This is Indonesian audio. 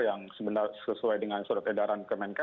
yang sebenarnya sesuai dengan surat edaran kemenkes